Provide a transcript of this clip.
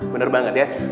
bener banget ya